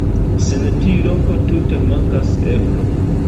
Sen tiu loko tute mankas eblo.